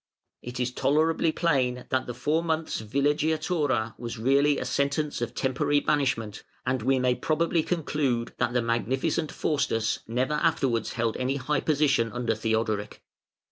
It is tolerably plain that the four months' villeggiatura was really a sentence of temporary banishment, and we may probably conclude that the Magnificent Faustus never afterwards held any high position under Theodoric.